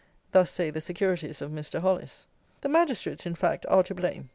Thus say the securities of Mr. Hollis. The Magistrates, in fact, are to blame.